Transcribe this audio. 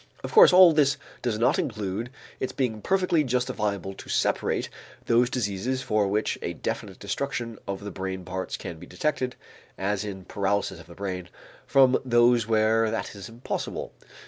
Of course all this does not exclude its being perfectly justifiable to separate those diseases for which a definite destruction of the brain parts can be detected, as in paralysis of the brain, from those where that is impossible.